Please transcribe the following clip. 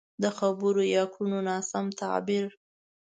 د خبرو يا کړنو ناسم تعبير.